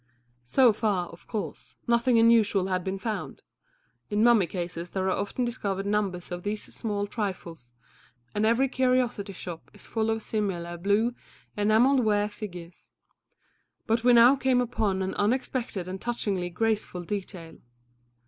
So far, of course, nothing unusual had been found; in mummy cases there are often discovered numbers of these small trifles, and every curiosity shop is full of similar blue enamelled ware figures; but we now came upon an unexpected and touchingly graceful detail.